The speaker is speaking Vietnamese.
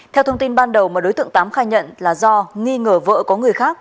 theo thông tin ban đầu mà đối tượng tám khai nhận là do nghi ngờ vợ có người khác